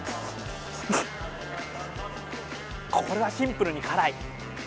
これはシンプルに辛い。